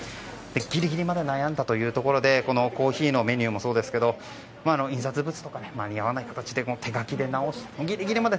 ギリギリまで悩んだというところでコーヒーのメニューもそうですが印刷物とか間に合わない形で手書きで直してあります。